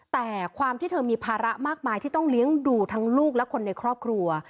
แต่ความที่เธอมีภาระมากมายที่ต้องเลี้ยงดูทั้งลูกและคนในครอบครัว